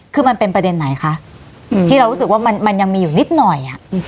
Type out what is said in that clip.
คือมันเป็นประเด็นไหนคะที่เรารู้สึกว่ามันยังมีอยู่นิดหน่อย